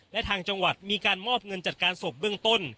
และทางจังหวัดมีการมอบเงินจัดการศพเบื้องต้น